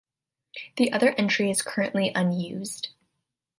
The other entry is currently unused.